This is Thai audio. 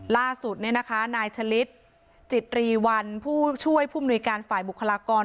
ล่าสุดเนี่ยนะคะนายฉลิตจิตรีวัลผู้ช่วยผู้มนุยการฝ่ายบุคลากร